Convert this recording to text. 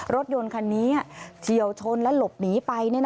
รถยนต์คันนี้เฉียวชนและหลบหนีไป